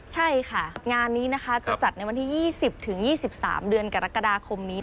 ใช่ค่ะงานนี้นะคะจะจัดในวันที่๒๐๒๓เดือนกรกฎาคมนี้